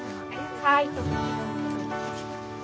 はい。